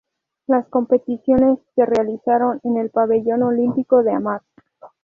Las competiciones se realizaron en el Pabellón Olímpico de Hamar.